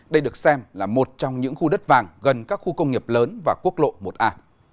đây được xem là một trong những khu đất vàng gần các khu công nghiệp lớn và quốc lộ một a